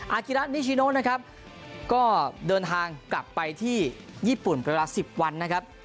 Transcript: กิระนิชิโนนะครับก็เดินทางกลับไปที่ญี่ปุ่นเป็นเวลา๑๐วันนะครับ